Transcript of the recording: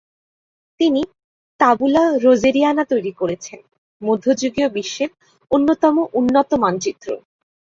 তিনি তাবুলা রোজেরিয়ানা তৈরি করেছেন, মধ্যযুগীয় বিশ্বের অন্যতম উন্নত মানচিত্র।